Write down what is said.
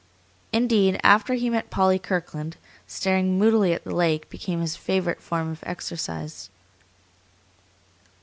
Indeed, after he met Polly Kirkland, staring moodily at the lake became his favorite form of exercise.